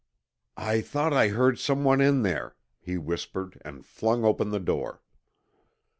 "I thought I heard someone in there," he whispered, and flung open the door.